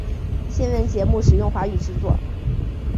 新闻节目使用华语制作。